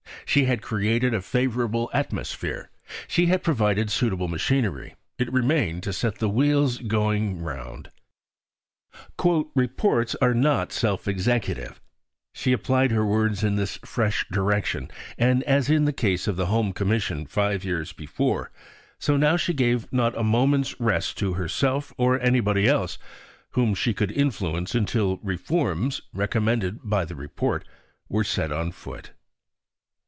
She had created a favourable atmosphere; she had provided suitable machinery; it remained to set the wheels going round. "Reports are not self executive": she applied her words in this fresh direction; and, as in the case of the Home Commission five years before, so now she gave not a moment's rest to herself or to anybody else whom she could influence until reforms, recommended by the Report, were set on foot.